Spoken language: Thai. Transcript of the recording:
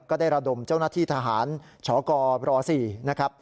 ก็ได้ระดมเจ้าหน้าที่ทหารชกร๔นะครับ